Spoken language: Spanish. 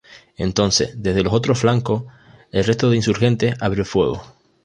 Entonces, desde los otros flancos el resto de insurgentes abrió fuego.